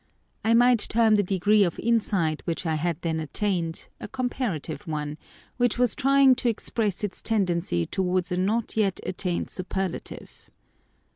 I might term the degree of insight which I had then attained, a comparative one, which was trying to express its tendency towards a not yet attained superlative.